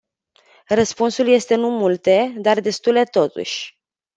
Răspunsul este nu multe, dar destule totuși.